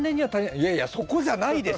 いやいやそこじゃないでしょう！